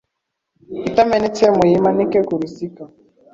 itamenetse, muyimanike ku rusika.